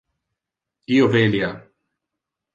Io velia.